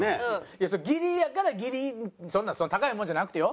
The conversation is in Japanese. いやそれ義理やから義理そんな高いもんじゃなくてよ。